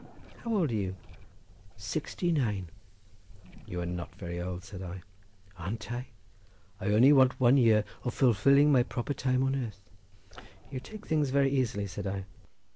"How old are you?" "Sixty nine." "You are not very old," said I. "Ain't I? I only want one year of fulfilling my proper time on earth." "You take things very easily," said I.